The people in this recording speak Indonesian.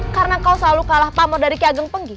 karena kau selalu kalah pamur dari kiageng pengging